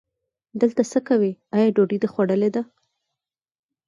دلته څه کوې، آیا ډوډۍ دې خوړلې ده؟